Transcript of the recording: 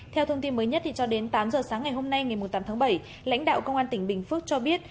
theo thông tin mới nhất cho đến tám giờ sáng ngày hôm nay ngày tám tháng bảy lãnh đạo công an tỉnh bình phước cho biết